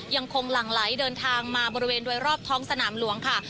หลั่งไหลเดินทางมาบริเวณโดยรอบท้องสนามหลวงค่ะ